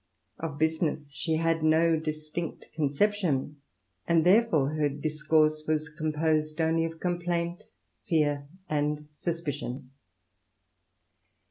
Of business she had no distinct conception ; and therefore her discourse was composed only of complaint, fear, and suspicion.'